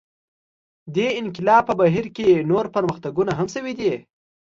دې انقلاب په بهیر کې نور پرمختګونه هم شوي دي.